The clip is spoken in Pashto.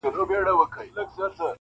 • عبث دي راته له زلفو نه دام راوړ,